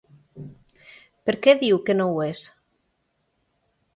Per què diu que no ho és?